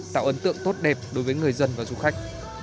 tạo ấn tượng tốt đẹp đối với người dân và du khách